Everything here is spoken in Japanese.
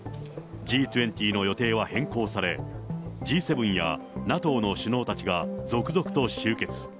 Ｇ２０の予定は変更され、Ｇ７やＮＡＴＯの首脳たちが続々と集結。